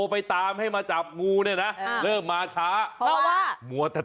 ไปแต่งหน้ามาอีกแล้วเลย